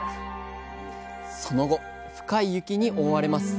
その後深い雪に覆われます。